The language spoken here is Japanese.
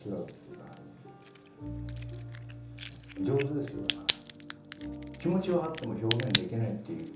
上手ですよ、だから。